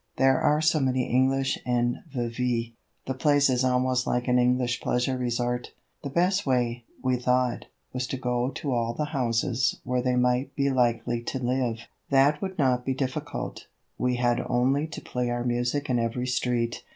There are so many English in Vevy; the place is almost like an English pleasure resort. The best way, we thought, was to go to all the houses where they might be likely to live. That would not be difficult; we had only to play our music in every street.